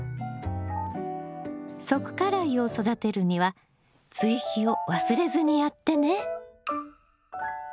側花蕾を育てるには追肥を忘れずにやってね。